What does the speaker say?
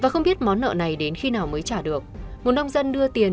mới trả được một nông dân đưa tiền